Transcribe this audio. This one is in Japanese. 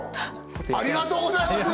ありがとうございます！